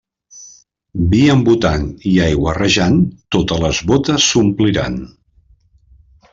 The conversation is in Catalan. Vi embotant i aigua rajant, totes les bótes s'ompliran.